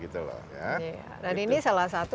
dan ini salah satu